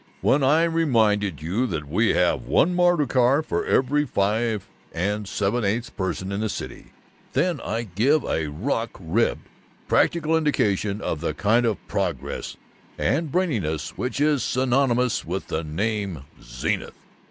When I remind you that we have one motor car for every five and seven eighths persons in the city, then I give a rock ribbed practical indication of the kind of progress and braininess which is synonymous with the name Zenith!